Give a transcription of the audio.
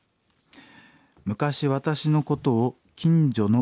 昔私のことを近所の」。